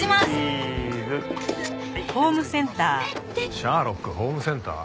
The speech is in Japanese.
シャーロックホームセンター？